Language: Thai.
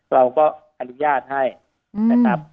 เราก็อนุญาตให้นะครับ